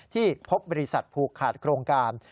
ที่พบบริษัทผูกขาดโครงการ